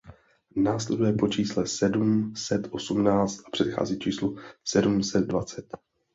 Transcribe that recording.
Následuje po čísle sedm set osmnáct a předchází číslu sedm set dvacet.